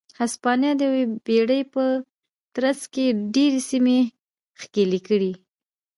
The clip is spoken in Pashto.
هسپانیا د یوې پېړۍ په ترڅ کې ډېرې سیمې ښکېلې کړې.